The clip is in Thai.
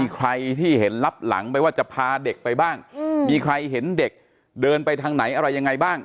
มีใครที่เห็นรับหลังไปว่าจะพาเด็กไปบ้างมีใครเห็นเด็กเดินไปทางไหนอะไรยังไงบ้าง